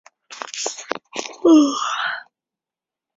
网格卷管螺为卷管螺科粗切嘴螺属下的一个种。